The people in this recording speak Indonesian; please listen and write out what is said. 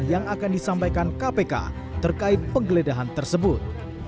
yang akan disampaikan kpk terkait penggeledahan tersebut